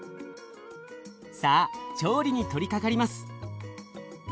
さあ調理に取りかかります。